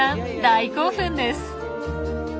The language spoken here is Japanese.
大興奮です。